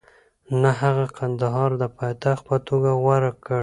نه، هغه کندهار د پایتخت په توګه غوره کړ.